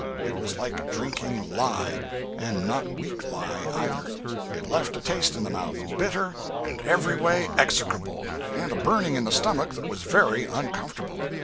It was like drinking lye, and not weak lye, either. It left a taste in the mouth, bitter and every way execrable, and a burning in the stomach that was very uncomfortable.